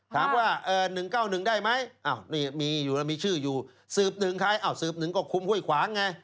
ถามว่า๑๙๑ได้ไหมนี่มีอยู่แล้วมีชื่ออยู่สืบ๑ใครสืบ๑ก็คุมห้วยขวางไง